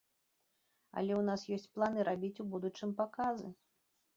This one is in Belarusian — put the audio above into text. Але ў нас ёсць планы рабіць у будучым паказы.